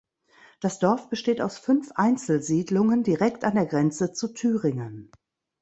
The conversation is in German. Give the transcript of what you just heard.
Das Dorf besteht aus fünf Einzelsiedlungen direkt an der Grenze zu Thüringen.